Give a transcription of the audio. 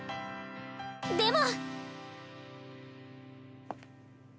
でも！